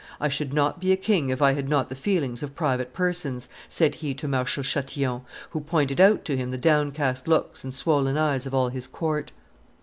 "I should not be a king if I had the feelings of private persons," said he to Marshal Chatillon, who pointed out to him the downcast looks and swollen eyes of all his court.